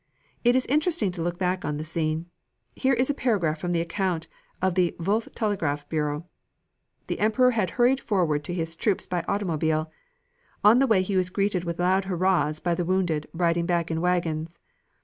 It is interesting to look back on the scene. Here is a paragraph from the account of the Wolff Telegraphic Bureau: "The Emperor had hurried forward to his troops by automobile. On the way he was greeted with loud hurrahs by the wounded, riding back in wagons.